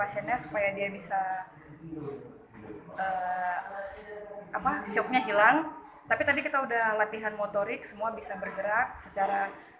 syaratnya tidak terlalu terkenal